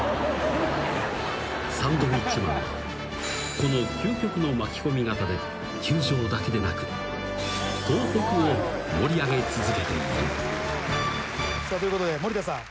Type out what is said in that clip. ［サンドウィッチマンはこの究極の巻き込み型で球場だけでなく東北を盛り上げ続けている］ということで森田さん。